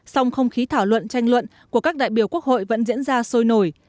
song không khí thảo luận tranh luận của các đại biểu quốc hội vẫn diễn ra sôi nổi